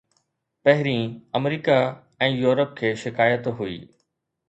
پهرين، America ۽ Europe کي شڪايت هئي.